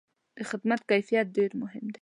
د خدمت کیفیت ډېر مهم دی.